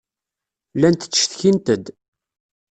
Llant ttcetkint-d.